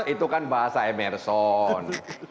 itu kan bahasa emerson